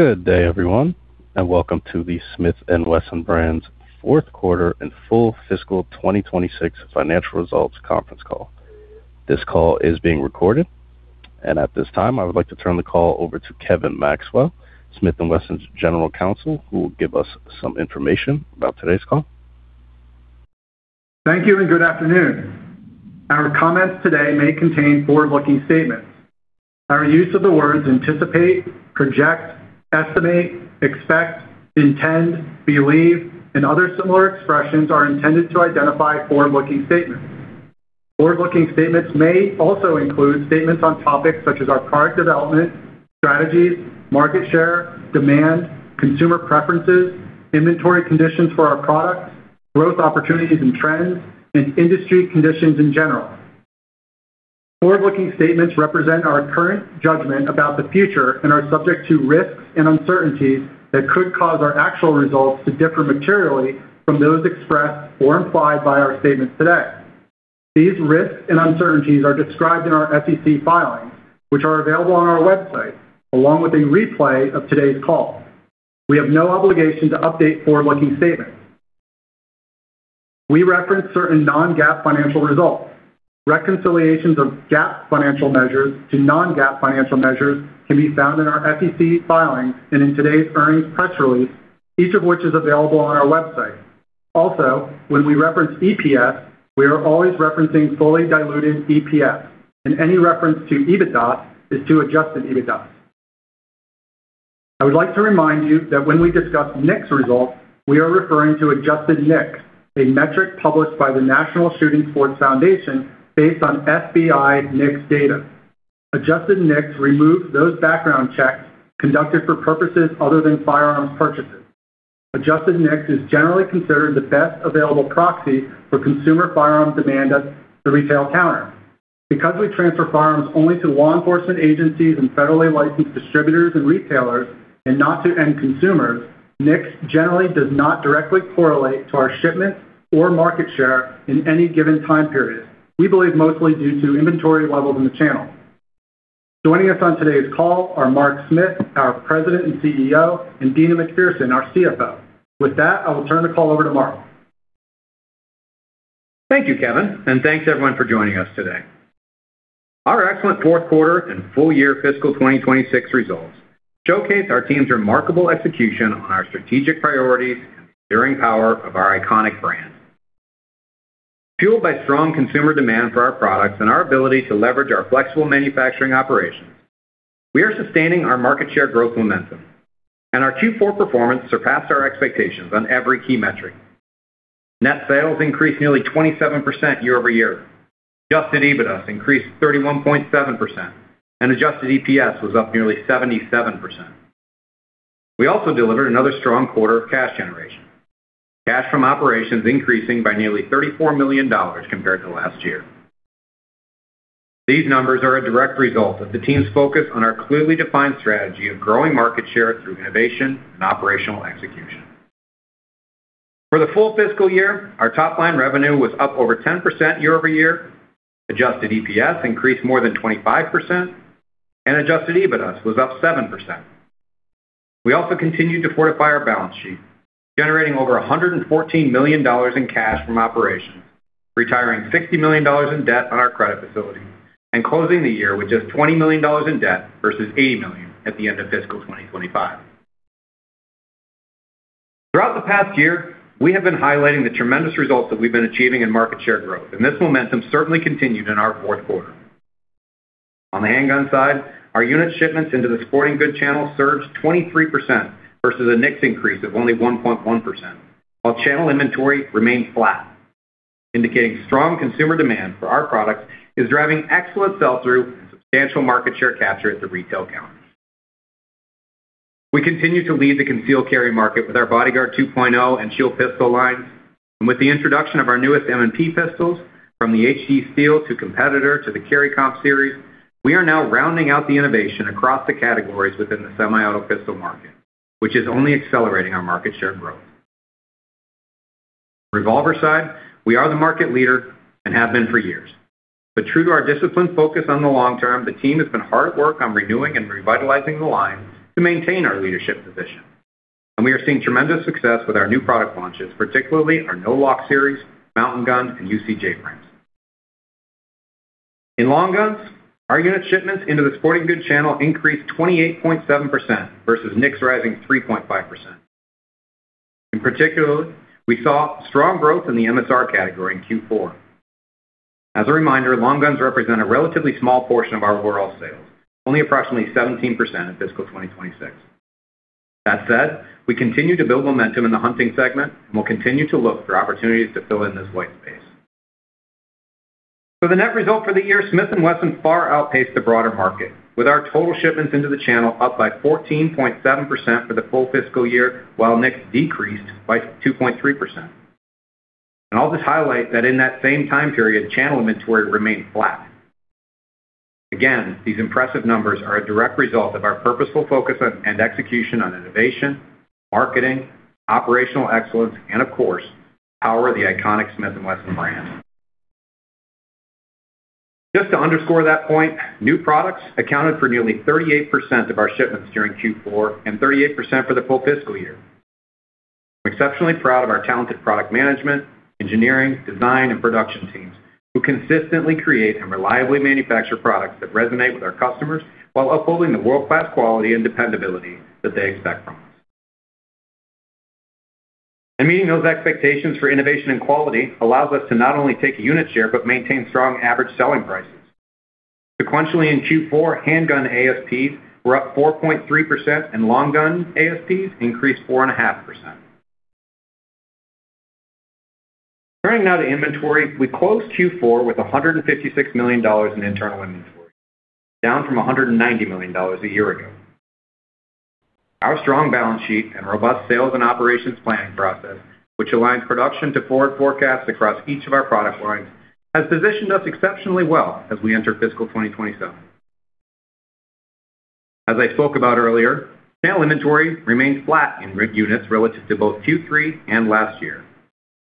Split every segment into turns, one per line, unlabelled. Good day everyone, and welcome to the Smith & Wesson Brands Q4 and full fiscal 2026 financial results conference call. This call is being recorded, and at this time, I would like to turn the call over to Kevin Maxwell, Smith & Wesson's General Counsel, who will give us some information about today's call.
Thank you, and good afternoon. Our comments today may contain forward-looking statements. Our use of the words anticipates, project, estimate, expect, intend, believe, and other similar expressions are intended to identify forward-looking statements. Forward-looking statements may also include statements on topics such as our product development, strategies, market share, demand, consumer preferences, inventory conditions for our products, growth opportunities and trends, and industry conditions in general. Forward-looking statements represent our current judgment about the future and are subject to risks and uncertainties that could cause our actual results to differ materially from those expressed or implied by our statements today. These risks and uncertainties are described in our SEC filings, which are available on our website, along with a replay of today's call. We have no obligation to update forward-looking statements. We reference certain non-GAAP financial results. Reconciliations of GAAP financial measures to non-GAAP financial measures can be found in our SEC filings and in today's earnings press release, each of which is available on our website. Also, when we reference EPS, we are always referencing fully diluted EPS, and any reference to EBITDA is to adjusted EBITDA. I would like to remind you that when we discuss NICS results, we are referring to adjusted NICS, a metric published by the National Shooting Sports Foundation based on FBI NICS data. Adjusted NICS removes that background checks conducted for purposes other than firearm purchases. Adjusted NICS is generally considered the best available proxy for consumer firearm demand at the retail counter. Because we transfer firearms only to law enforcement agencies and federally licensed distributors and retailers, and not to end consumers, NICS generally does not directly correlate to our shipments or market share in any given time period, we believe mostly due to inventory levels in the channel. Joining us on today's call are Mark Smith, our President and CEO, and Deana McPherson, our CFO. With that, I will turn the call over to Mark.
Thank you, Kevin, and thanks everyone for joining us today. Our excellent Q4 and full year fiscal 2026 results showcase our team's remarkable execution on our strategic priorities and the enduring power of our iconic brand. Fueled by strong consumer demand for our products and our ability to leverage our flexible manufacturing operations, we are sustaining our market share growth momentum, and our Q4 performance surpassed our expectations on every key metric. Net sales increased nearly 27% year-over-year. Adjusted EBITDA increased 31.7%, and adjusted EPS was up nearly 77%. We also delivered another strong quarter of cash generation. Cash from operations increasing by nearly $34 million compared to last year. These numbers are a direct result of the team's focus on our clearly defined strategy of growing market share through innovation and operational execution. For the full fiscal year, our top-line revenue was up over 10% year-over-year. Adjusted EPS increased more than 25%, and adjusted EBITDA was up 7%. We also continued to fortify our balance sheet, generating over $114 million in cash from operations, retiring $60 million in debt on our credit facility, and closing the year with just $20 million in debt versus $80 million at the end of fiscal 2025. Throughout the past year, we have been highlighting the tremendous results that we've been achieving in market share growth, and this momentum certainly continued in our Q4. On the handgun side, our unit shipments into the sporting goods channel surged 23% versus a NICS increase of only 1.1%, while channel inventory remained flat, indicating strong consumer demand for our products is driving excellent sell-through and substantial market share capture at the retail counter. We continue to lead the concealed carry market with our Bodyguard 2.0 and Shield pistol lines. With the introduction of our newest M&P pistols, from the HD Steel to Competitor to the Carry Comp series, we are now rounding out the innovation across the categories within the semi-auto pistol market, which is only accelerating our market share growth. Revolver side, we are the market leader and have been for years. True to our disciplined focus on the long term, the team has been hard at work on renewing and revitalizing the line to maintain our leadership position. We are seeing tremendous success with our new product launches, particularly our No Lock series, Mountain Gun, and UCJ frames. In long guns, our unit shipments into the sporting goods channel increased 28.7% versus NICS rising 3.5%. In particular, we saw strong growth in the MSR category in Q4. As a reminder, long guns represent a relatively small portion of our overall sales, only approximately 17% in fiscal 2026. That said, we continue to build momentum in the hunting segment and will continue to look for opportunities to fill in this white space. For the net result for the year, Smith & Wesson far outpaced the broader market, with our total shipments into the channel up by 14.7% for the full fiscal year, while NICS decreased by 2.3%. I'll just highlight that in that same time period, channel inventory remained flat. Again, these impressive numbers are a direct result of our purposeful focus and execution on innovation, marketing, operational excellence, and of course, the power of the iconic Smith & Wesson brand. Just to underscore that point, new products accounted for nearly 38% of our shipments during Q4, and 38% for the full fiscal year. I'm exceptionally proud of our talented product management, engineering, design, and production teams, who consistently create and reliably manufacture products that resonate with our customers while upholding the world-class quality and dependability that they expect from us. Meeting those expectations for innovation and quality allows us to not only take unit share but maintain strong Average Selling Prices. Sequentially in Q4, handgun ASPs were up 4.3%, and long gun ASPs increased 4.5%. Turning now to inventory, we closed Q4 with $156 million in internal inventory, down from $190 million a year ago. Our strong balance sheet and robust sales and operations planning process, which aligns production to forward forecasts across each of our product lines, has positioned us exceptionally well as we enter fiscal 2027. As I spoke about earlier, channel inventory remains flat in units relative to both Q3 and last year,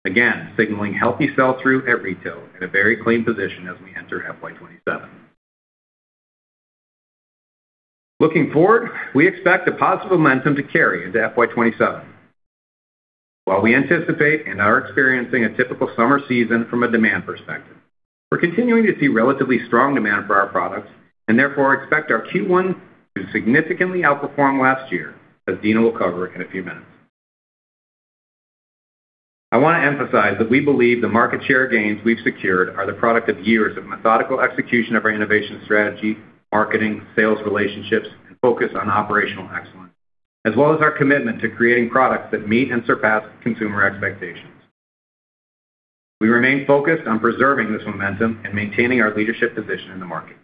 again, signaling healthy sell-through at retail and a very clean position as we enter FY 2027. Looking forward, we expect the positive momentum to carry into FY 2027. While we anticipate and are experiencing a typical summer season from a demand perspective, we're continuing to see relatively strong demand for our products, therefore expect our Q1 to significantly outperform last year, as Deana will cover in a few minutes. I want to emphasize that we believe the market share gains we've secured are the product of years of methodical execution of our innovation strategy, marketing, sales relationships, and focus on operational excellence, as well as our commitment to creating products that meet and surpass consumer expectations. We remain focused on preserving this momentum and maintaining our leadership position in the market.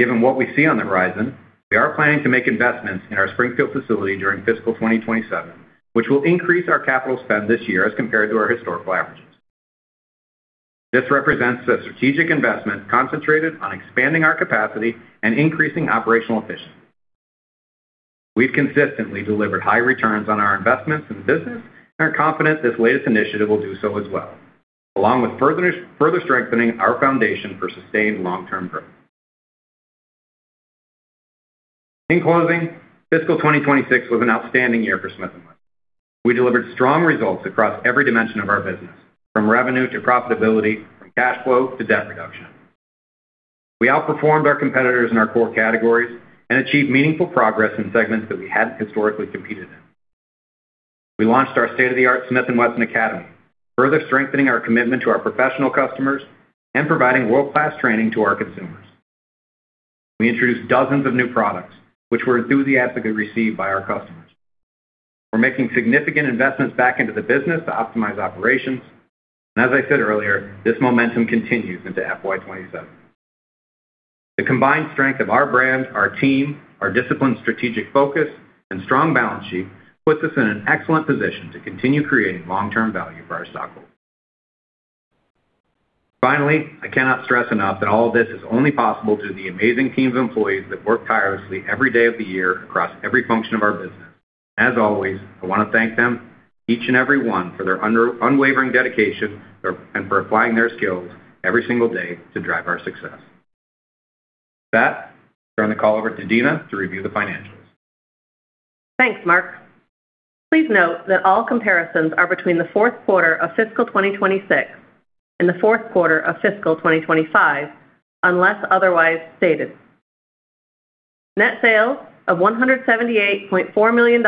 Given what we see on the horizon, we are planning to make investments in our Springfield facility during fiscal 2027, which will increase our capital spend this year as compared to our historical averages. This represents a strategic investment concentrated on expanding our capacity and increasing operational efficiency. We've consistently delivered high returns on our investments in the business and are confident this latest initiative will do so as well, along with further strengthening our foundation for sustained long-term growth. In closing, fiscal 2026 was an outstanding year for Smith & Wesson. We delivered strong results across every dimension of our business, from revenue to profitability, from cash flow to debt reduction. We outperformed our competitors in our core categories and achieved meaningful progress in segments that we hadn't historically competed in. We launched our state-of-the-art Smith & Wesson Academy, further strengthening our commitment to our professional customers and providing world-class training to our consumers. We introduced dozens of new products, which were enthusiastically received by our customers. As I said earlier, this momentum continues into FY 2027. The combined strength of our brand, our team, our disciplined strategic focus, and strong balance sheet put us in an excellent position to continue creating long-term value for our stockholders. Finally, I cannot stress enough that all of this is only possible due to the amazing team of employees that work tirelessly every day of the year across every function of our business. As always, I want to thank them, each and every one, for their unwavering dedication and for applying their skills every single day to drive our success. With that, I turn the call over to Deana to review the financials.
Thanks, Mark. Please note that all comparisons are between the Q4 of fiscal 2026 and the Q4 of fiscal 2025, unless otherwise stated. Net sales of $178.4 million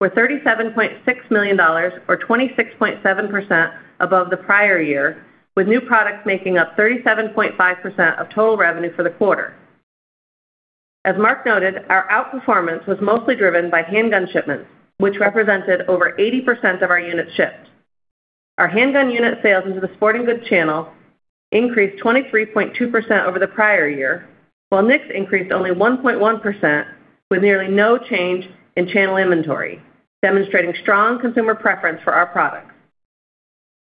were $37.6 million, or 26.7% above the prior year, with new products making up 37.5% of total revenue for the quarter. As Mark noted, our outperformance was mostly driven by handgun shipments, which represented over 80% of our units shipped. Our handgun unit sales into the sporting goods channel increased 23.2% over the prior year, while NICS increased only 1.1% with nearly no change in channel inventory, demonstrating strong consumer preference for our products.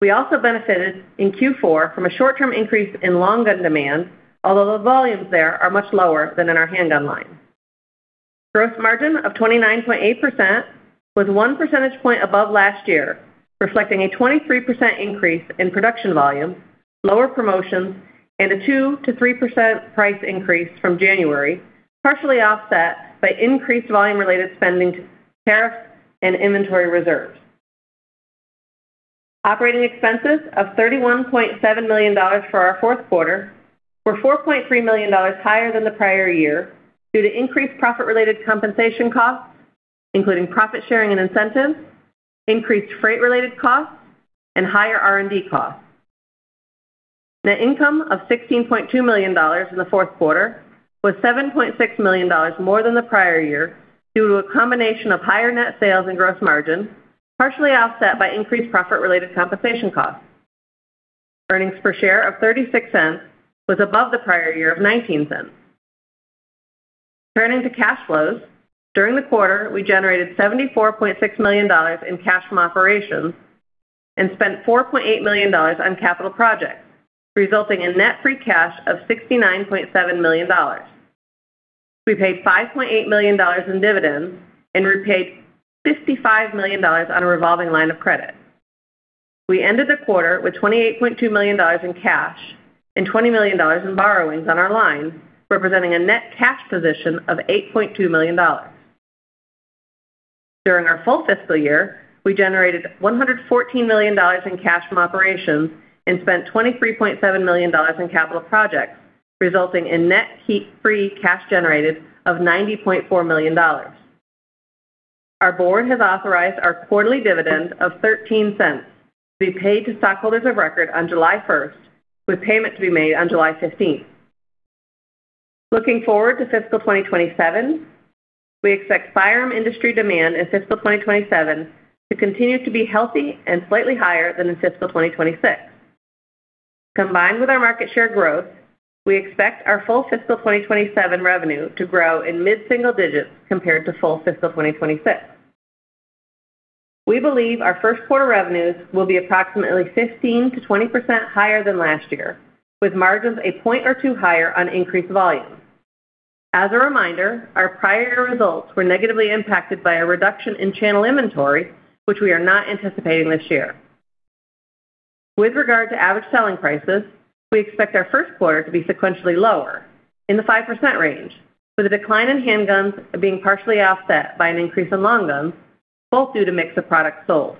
We also benefited in Q4 from a short-term increase in long gun demand, although the volumes there are much lower than in our handgun line. Gross margin of 29.8% was one percentage point above last year, reflecting a 23% increase in production volume, lower promotions, and a 2%-3% price increase from January, partially offset by increased volume-related spending tariffs and inventory reserves. Operating expenses of $31.7 million for our Q4 were $4.3 million higher than the prior year due to increased profit-related compensation costs, including profit sharing and incentives, increased freight-related costs, and higher R&D costs. Net income of $16.2 million in the Q4 was $7.6 million more than the prior year due to a combination of higher net sales and gross margin, partially offset by increased profit-related compensation costs. Earnings per share of $0.36 was above the prior year of $0.19. Turning to cash flows. During the quarter, we generated $74.6 million in cash from operations and spent $4.8 million on capital projects, resulting in net free cash of $69.7 million. We paid $5.8 million in dividends and repaid $55 million on a revolving line of credit. We ended the quarter with $28.2 million in cash and $20 million in borrowings on our line, representing a net cash position of $8.2 million. During our full fiscal year, we generated $114 million in cash from operations and spent $23.7 million in capital projects, resulting in net debt free cash generated of $90.4 million. Our board has authorized our quarterly dividend of $0.13 to be paid to stockholders of record on July 1st, with payment to be made on July 15th. Looking forward to fiscal 2027, we expect firearm industry demand in fiscal 2027 to continue to be healthy and slightly higher than in fiscal 2026. Combined with our market share growth, we expect our full fiscal 2027 revenue to grow in mid-single digits compared to full fiscal 2026. We believe our Q1 revenues will be approximately 15%-20% higher than last year, with margins a point or two higher on increased volume. As a reminder, our prior results were negatively impacted by a reduction in channel inventory, which we are not anticipating this year. With regard to Average Selling Prices, we expect our Q1 to be sequentially lower, in the 5% range, with a decline in handguns being partially offset by an increase in long guns, both due to mix of products sold.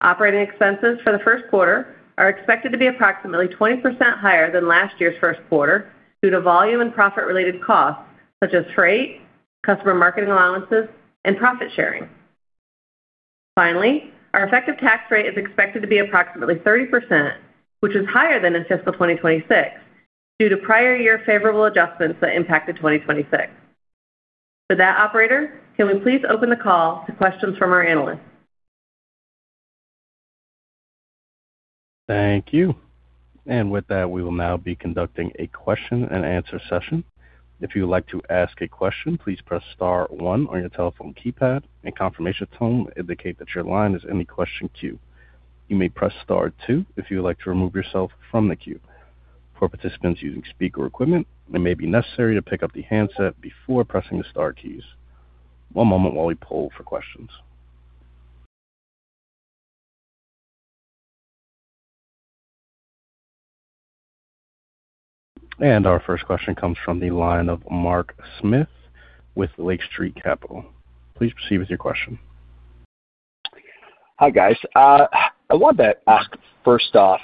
Operating expenses for the Q1 are expected to be approximately 20% higher than last year's Q1 due to volume and profit-related costs such as freight, customer marketing allowances, and profit-sharing. Our effective tax rate is expected to be approximately 30%, which is higher than in fiscal 2026, due to prior year favorable adjustments that impacted 2026. With that, operator, can we please open the call to questions from our analysts?
Thank you. With that, we will now be conducting a question-and-answer session. If you would like to ask a question, please press star one on your telephone keypad. A confirmation tone will indicate that your line is in the question queue. You may press star two if you would like to remove yourself from the queue. For participants using speaker equipment, it may be necessary to pick up the handset before pressing the star keys. One moment while we poll for questions. Our first question comes from the line of Mark Smith with Lake Street Capital. Please proceed with your question.
Hi, guys. I wanted to ask first off;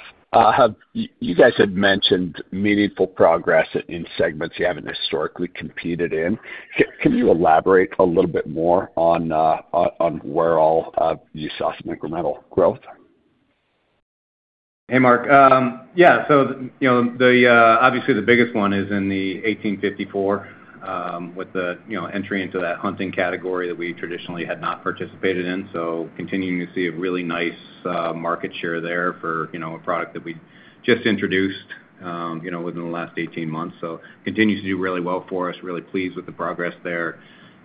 you guys had mentioned meaningful progress in segments you haven't historically competed in. Can you elaborate a little bit more on where all you saw some incremental growth?
Hey, Mark. Obviously, the biggest one is in the Model 1854, with the entry into that hunting category that we traditionally had not participated in. Continuing to see a really nice market share there for a product that we just introduced within the last 18 months. Continues to do really well for us, really pleased with the progress there.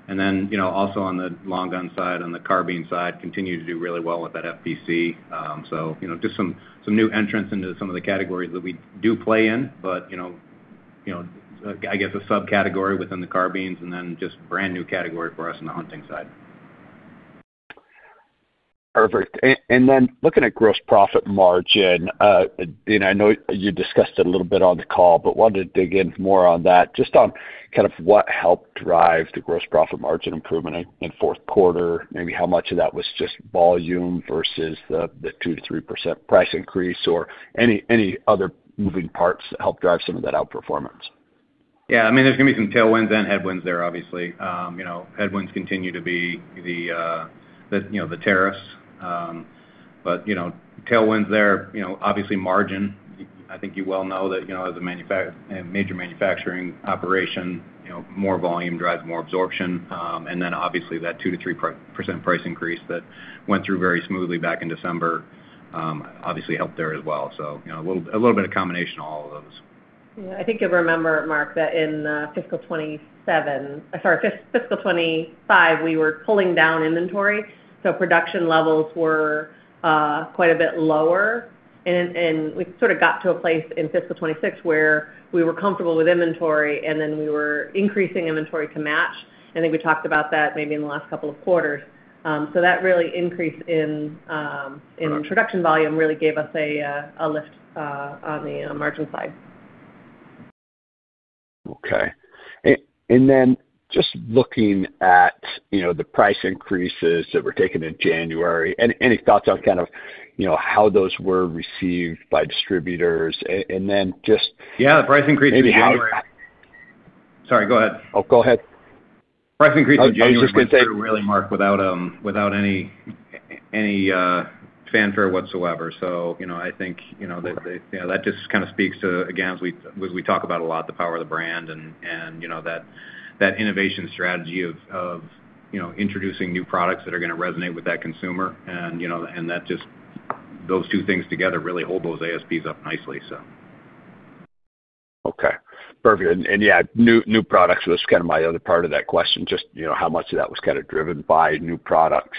Also on the long gun side, on the carbine side, continue to do really well with that FPC. Just some new entrants into some of the categories that we do play in, but I guess a subcategory within the carbines and then just brand-new category for us on the hunting side.
Perfect. Looking at gross profit margin, I know you discussed it a little bit on the call, but wanted to dig in more on that, just on kind of what helped drive the gross profit margin improvement in the Q4, maybe how much of that was just volume versus the 2%-3% price increase, or any other moving parts that helped drive some of that outperformance.
Yeah. There's going to be some tailwinds and headwinds there, obviously. Headwinds continue to be the tariffs. Tailwinds there, obviously margin. I think you well know that as a major manufacturing operation, more volume drives more absorption. Obviously that 2%-3% price increase that went through very smoothly back in December, obviously helped there as well. A little bit of combination of all of those.
Yeah. I think you'll remember, Mark, that in fiscal 2025, we were pulling down inventory. Production levels were quite a bit lower, and we sort of got to a place in fiscal 2026 where we were comfortable with inventory, we were increasing inventory to match. I think we talked about that maybe in the last couple of quarters. That increase in production volume really gave us a lift on the margin side.
Okay. Just looking at the price increases that were taken in January, any thoughts on how those were received by distributors?
Yeah, the price increase in January.
Maybe how.
Sorry, go ahead.
Oh, go ahead.
Price increase in January went through really, Mark, without any fanfare whatsoever. I think that just kind of speaks to, again, as we talk about a lot, the power of the brand and that innovation strategy of introducing new products that are going to resonate with that consumer. Those two things together really hold those ASPs up nicely, so
Okay. Perfect. Yeah, new products were kind of my other part of that question, just how much of that was kind of driven by new products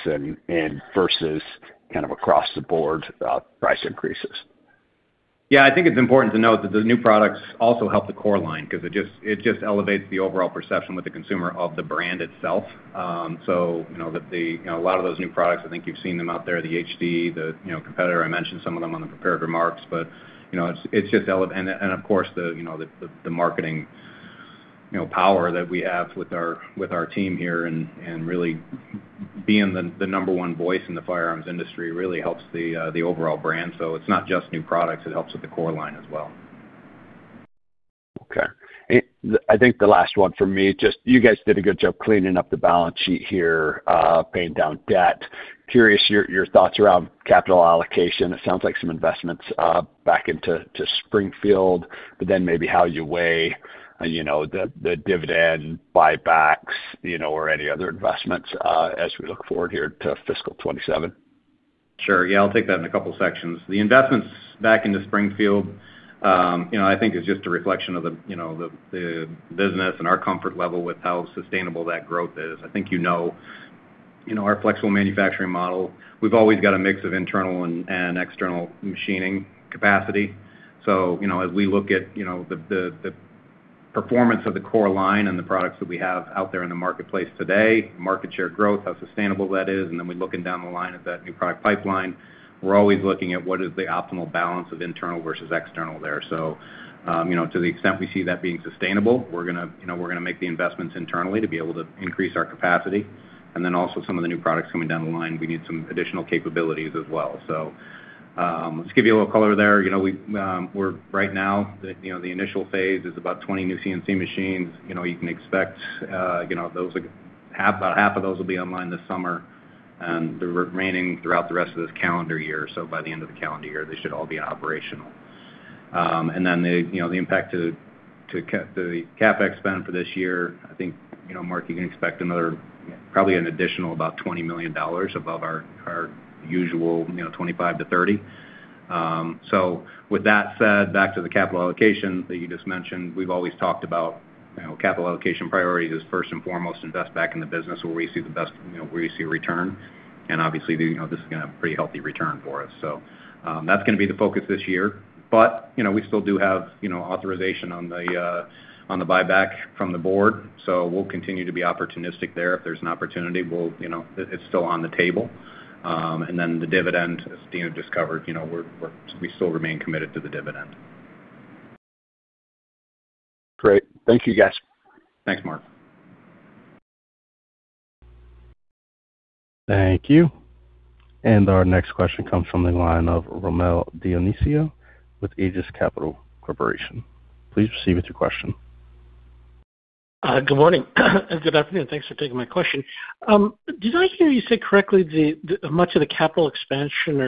versus kind of across-the-board price increases.
Yeah, I think it's important to note that the new products also help the core line because it just elevates the overall perception with the consumer of the brand itself. A lot of those new products, I think you've seen them out there, the HD, the competitor, I mentioned some of them on the prepared remarks. Of course, the marketing power that we have with our team here and really being the number one voice in the firearms industry really helps the overall brand. It's not just new products. It helps with the core line as well.
Okay. I think the last one from me, just you guys did a good job cleaning up the balance sheet here, paying down debt. Curious your thoughts around capital allocation. It sounds like some investments back into Springfield, maybe how you weigh the dividend buybacks, or any other investments as we look forward here to fiscal 2027.
Sure. Yeah, I'll take that in a couple sections. The investments back into Springfield, I think is just a reflection of the business and our comfort level with how sustainable that growth is. I think you know our flexible manufacturing model. We've always got a mix of internal and external machining capacity. As we look at the performance of the core line and the products that we have out there in the marketplace today, market share growth, how sustainable that is, we look down the line at that new product pipeline, we're always looking at what is the optimal balance of internal versus external there. To the extent we see that being sustainable, we're going to make the investments internally to be able to increase our capacity. Also, some of the new products coming down the line, we need some additional capabilities as well. Just give you a little color there. Right now, the initial phase is about 20 new CNC machines. You can expect about half of those will be online this summer, and the remaining throughout the rest of this calendar year. By the end of the calendar year, they should all be operational. The impact to the CapEx spends for this year, I think, Mark, you can expect probably an additional about $20 million above our usual $25-$30 million. With that said, back to the capital allocation that you just mentioned, we've always talked about capital allocation priorities is first and foremost invest back in the business where we see a return, and obviously this is going to have a pretty healthy return for us. That's going to be the focus this year. We still do have authorization on the buyback from the board, so we'll continue to be opportunistic there. If there's an opportunity, it's still on the table. The dividend, as Deana discussed, we still remain committed to the dividend.
Great. Thank you, guys.
Thanks, Mark.
Thank you. Our next question comes from the line of Rommel Dionisio with Aegis Capital Corp. Please proceed with your question.
Good morning. Good afternoon. Thanks for taking my question. Did I hear you say correctly much of the capital expenditure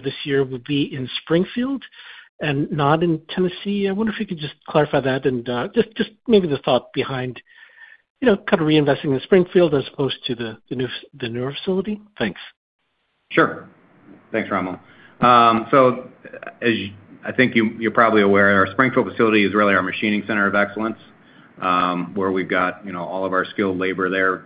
this year would be in Springfield and not in Tennessee? I wonder if you could just clarify that and just maybe the thought behind kind of reinvesting in Springfield as opposed to the newer facility. Thanks.
Sure. Thanks, Rommel. As I think you're probably aware, our Springfield facility is really our machining center of excellence, where we've got all of our skilled labor there,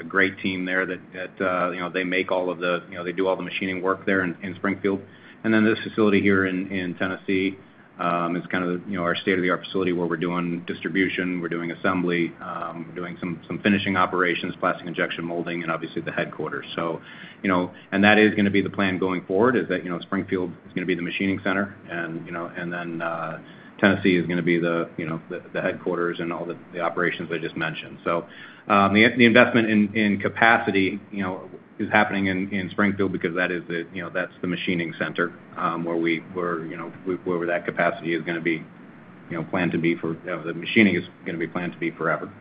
a great team there that they do all the machining work there in Springfield. Then this facility here in Tennessee, it's kind of our state-of-the-art facility where we're doing distribution, we're doing assembly, doing some finishing operations, plastic injection molding, and obviously the headquarters. That is going to be the plan going forward, is that Springfield is going to be the machining center and then Tennessee is going to be the headquarters and all the operations I just mentioned. The investment in capacity is happening in Springfield because that's the machining center, where that capacity is going to be planned to be. The machining is going to be planned to be forever.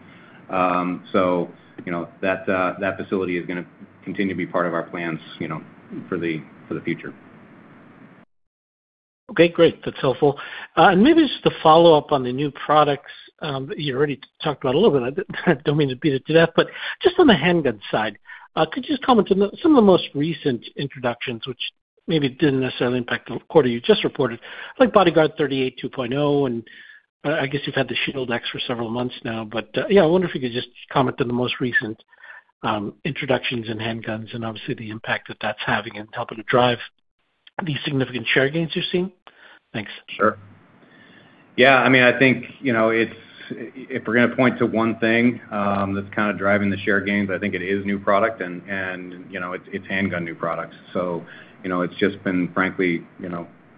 That facility is going to continue to be part of our plans for the future.
Okay, great. That's helpful. Maybe just to follow up on the new products, you already talked about a little bit, I don't mean to beat it to death, but just on the handgun side, could you just comment on some of the most recent introductions, which maybe didn't necessarily impact the quarter you just reported, like BODYGUARD 38, 2.0, and I guess you've had the Shield X for several months now. Yeah, I wonder if you could just comment on the most recent introductions in handguns and obviously the impact that that's having in helping to drive these significant share gains, you're seeing. Thanks.
Sure. Yeah, I think, if we're going to point to one thing that's kind of driving the share gains, I think it is new product and its handgun new products. It's just been, frankly,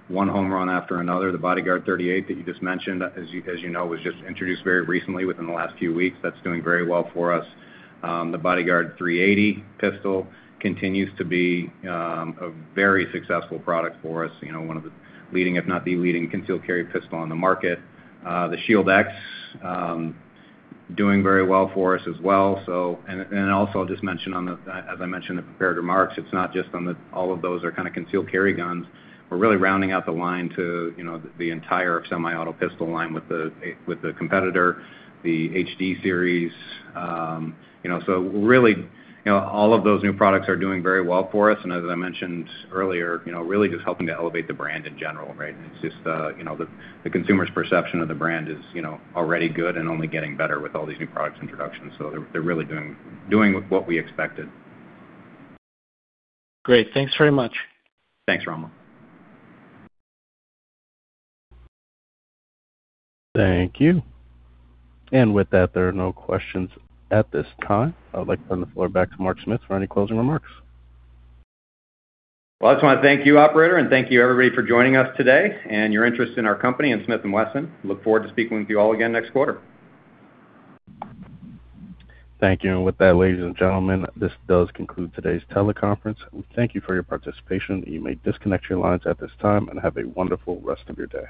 one home run after another. The BODYGUARD 38 that you just mentioned, as you know, was just introduced very recently within the last few weeks. That's doing very well for us. The Bodyguard 380 pistol continues to be a very successful product for us, one of the leading, if not the leading concealed carry pistol on the market. The Shield X, doing very well for us as well. Also, I'll just mention on the, as I mentioned in the prepared remarks, it's not just on the, all of those are kind of concealed carry guns. We're really rounding out the line to the entire semi-auto pistol line with the Competitor, the HD series. Really, all of those new products are doing very well for us, as I mentioned earlier, really just helping to elevate the brand in general, right. It's just the consumer's perception of the brand is already good and only getting better with all these new product introductions. They're really doing what we expected.
Great. Thanks very much.
Thanks, Rommel.
Thank you. With that, there are no questions at this time. I would like to turn the floor back to Mark Smith for any closing remarks.
Well, I just want to thank you, operator, and thank you everybody for joining us today and your interest in our company and Smith & Wesson. Look forward to speaking with you all again next quarter.
Thank you. With that, ladies and gentlemen, this does conclude today's teleconference. We thank you for your participation. You may disconnect your lines at this time and have a wonderful rest of your day.